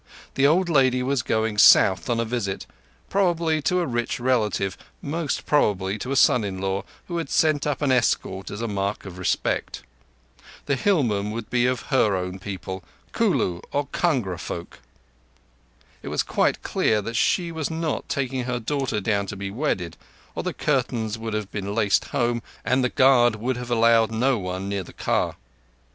The old lady was going south on a visit—probably to a rich relative, most probably to a son in law, who had sent up an escort as a mark of respect. The hillmen would be of her own people—Kulu or Kangra folk. It was quite clear that she was not taking her daughter down to be wedded, or the curtains would have been laced home and the guard would have allowed no one near the car.